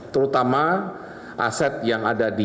terutama aset yang ada di